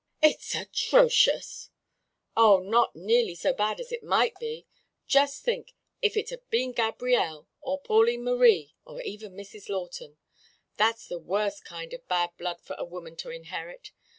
"It's atrocious!" "Oh, not nearly so bad as it might be. Just think, if it had been Gabrielle, or Pauline Marie, or even Mrs. Lawton. That's the worst kind of bad blood for a woman to inherit.